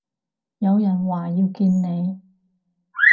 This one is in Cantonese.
有人話要見你